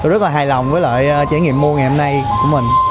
rất là hài lòng với lại trải nghiệm mua ngày hôm nay của mình